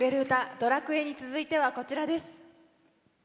「ドラクエ」に続いてはこちらです。